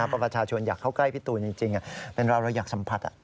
เพราะประชาชนอยากเข้าใกล้พี่ตูนจริงเป็นเราเราอยากสัมผัส